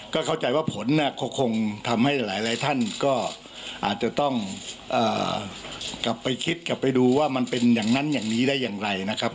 ก็เข้าใจว่าผลก็คงทำให้หลายท่านก็อาจจะต้องกลับไปคิดกลับไปดูว่ามันเป็นอย่างนั้นอย่างนี้ได้อย่างไรนะครับ